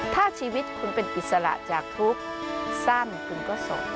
ถ้าชีวิตคุณเป็นอิสระจากทุกข์สั้นคุณก็โสด